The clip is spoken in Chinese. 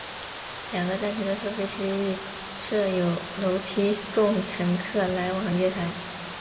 两个站厅的收费区均设有楼梯供乘客来往月台。